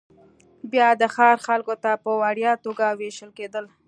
بیا د ښار خلکو ته په وړیا توګه وېشل کېدل